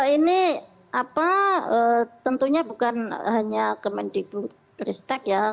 ini tentunya bukan hanya kemendibutristek ya